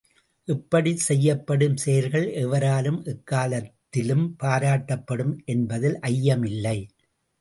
இப்படிச் செய்யப்படும் செயல்கள் எவராலும் எக்காலத்திலும் பாராட்டப்படும் என்பதில் ஐயமில்லை.